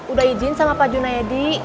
udah izin sama pak juna ya di